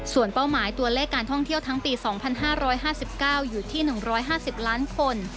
ส่วนเป้าหมายตัวเลขการท่องเที่ยวทั้งปี๒๕๕๙อยู่ที่๑๕๐ล้านคน